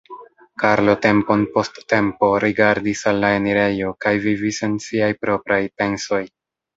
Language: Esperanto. Karlo tempon post tempo rigardis al la enirejo kaj vivis en siaj propraj pensoj.